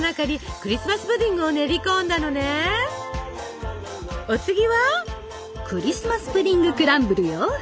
クリスマスプディング・クランブルよ！